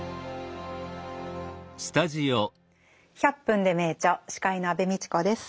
「１００分ｄｅ名著」司会の安部みちこです。